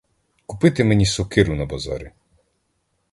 Купи ти мені сокиру на базарі.